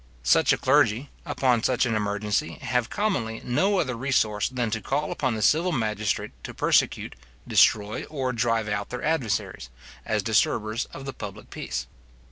Such a clergy, upon such an emergency, have commonly no other resource than to call upon the civil magistrate to persecute, destroy, or drive out their adversaries, as disturbers of the public peace.